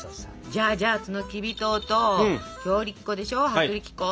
じゃあじゃあそのきび糖と強力粉でしょ薄力粉。